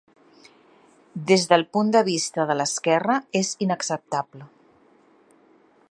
Des del punt de vista de l'esquerra és inacceptable.